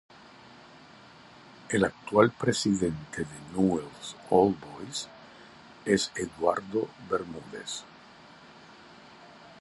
El actual Presidente de Newell's Old Boys es Eduardo Bermúdez.